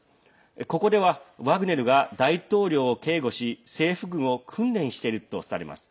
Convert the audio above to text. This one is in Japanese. ここではワグネルが大統領を警護し政府軍を訓練しているとされます。